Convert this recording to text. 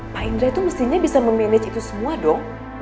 pak indra itu mestinya bisa memanage itu semua dong